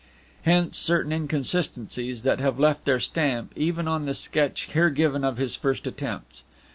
Hence certain inconsistencies that have left their stamp even on the sketch here given of his first attempts.